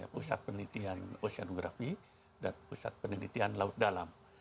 pusat penelitian oceanografi dan pusat penelitian laut dalam